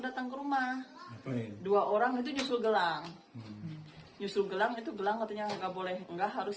datang ke rumah dua orang itu justru gelang justru gelang itu gelang katanya enggak boleh enggak harus